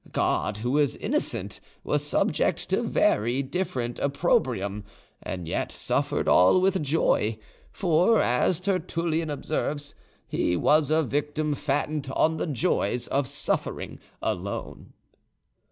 God, who was innocent, was subject to very different opprobrium, and yet suffered all with joy; for, as Tertullian observes, He was a victim fattened on the joys of suffering alone."